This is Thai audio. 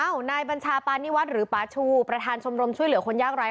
นายบัญชาปานิวัฒน์หรือปาชูประธานชมรมช่วยเหลือคนยากไร้